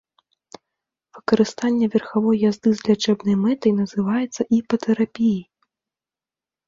Выкарыстанне верхавой язды з лячэбнай мэтай называецца іпатэрапіяй.